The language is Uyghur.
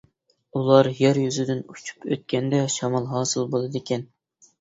ئۇلار يەر يۈزىدىن ئۇچۇپ ئۆتكەندە شامال ھاسىل بولىدىكەن.